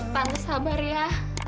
pantes sabar ya